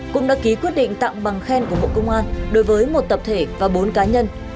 cũng đã ký quyết định tặng bằng khen của bộ công an đối với một tập thể và bốn cá nhân